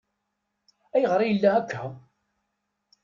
Ayɣer i yella akka?